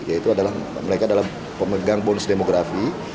yaitu mereka adalah pemegang bonus demografi